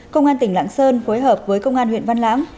công an tỉnh lạng sơn phối hợp với công an huyện văn lãng